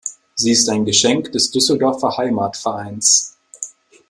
Sie ist ein Geschenk des Düsseldorfer Heimatvereins.